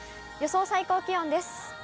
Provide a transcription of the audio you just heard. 予想最高気温です。